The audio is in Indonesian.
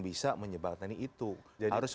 bisa menyebatkan itu harus